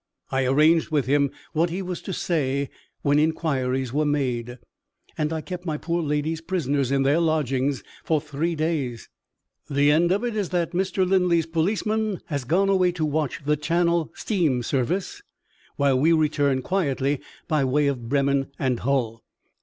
I arranged with him what he was to say when inquiries were made; and I kept my poor ladies prisoners in their lodgings for three days. The end of it is that Mr. Linley's policeman has gone away to watch the Channel steam service, while we return quietly by way of Bremen and Hull.